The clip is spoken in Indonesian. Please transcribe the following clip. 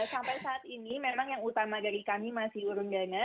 sampai saat ini memang yang utama dari kami masih urung dana